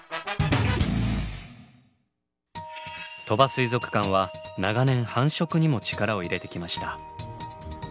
鳥羽水族館は長年繁殖にも力を入れてきました。